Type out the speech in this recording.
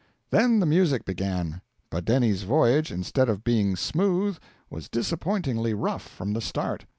Then the music began. Badeni's voyage, instead of being smooth, was disappointingly rough from the start.